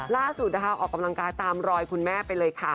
ล่าสุดนะคะออกกำลังกายตามรอยคุณแม่ไปเลยค่ะ